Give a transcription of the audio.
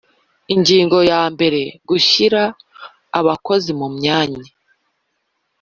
Ingingo yambere Gushyira abakozi mu myanya